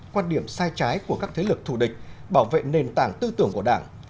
quan điểm sai trái của các thế lực thù địch bảo vệ nền tảng tư tưởng của đảng